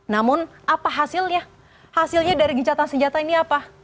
namun apa hasilnya hasilnya dari gencatan senjata ini apa